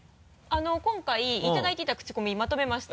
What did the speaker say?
今回いただいていたクチコミまとめました。